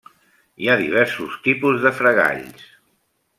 Hi ha diversos tipus de fregalls.